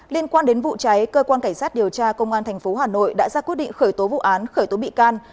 liên quan đến vụ cháy cơ quan cảnh sát điều tra công an tp hà nội đã ra quyết định khởi tố vụ án khởi tố bị can